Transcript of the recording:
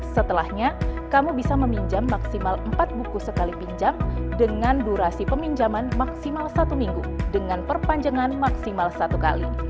setelahnya kamu bisa meminjam maksimal empat buku sekali pinjam dengan durasi peminjaman maksimal satu minggu dengan perpanjangan maksimal satu kali